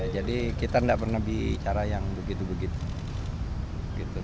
jadi kita enggak pernah bicara yang begitu begitu